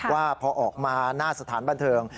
ว่าพอออกมาหน้าสถานบันเทิง